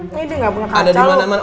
ini dia nggak punya keranjal